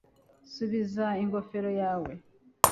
subiza ingofero yawe